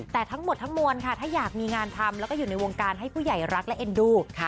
แต่ทั้งหมดทั้งมวลค่ะถ้าอยากมีงานทำแล้วก็อยู่ในวงการให้ผู้ใหญ่รักและเอ็นดู